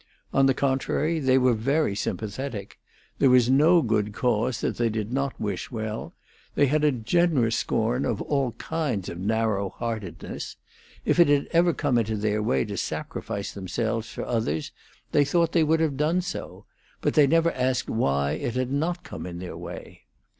On the contrary, they were very sympathetic; there was no good cause that they did not wish well; they had a generous scorn of all kinds of narrow heartedness; if it had ever come into their way to sacrifice themselves for others, they thought they would have done so, but they never asked why it had not come in their way.